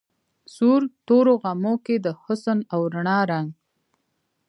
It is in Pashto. سور تورو غمونو کی د حسن او رڼا رنګ